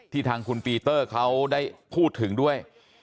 ทางคุณปีเตอร์เขาได้พูดถึงด้วย